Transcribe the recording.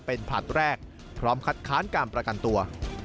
เป็นผลัดแรกพร้อมคัดค้านการประกันตัว